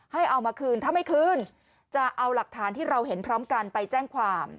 เอามาคืนถ้าไม่คืนจะเอาหลักฐานที่เราเห็นพร้อมกันไปแจ้งความ